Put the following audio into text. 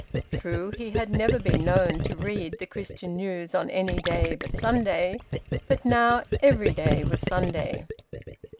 True, he had never been known to read "The Christian News" on any day but Sunday, but now every day was Sunday.